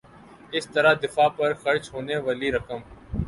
اس طرح دفاع پر خرچ ہونے والی رقم